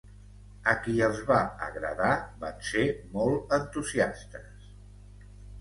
A qui els va agradar van ser molt entusiastes.